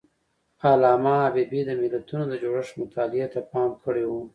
علامه حبيبي د ملتونو د جوړښت مطالعې ته پام کړی دی.